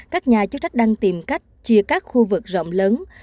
các nhà chức trách đang tìm cách chia các khu vực rộng lớn